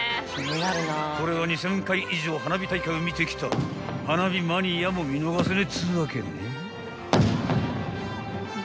［これは２，０００回以上花火大会を見てきた花火マニアも見逃せねえっつうわけね］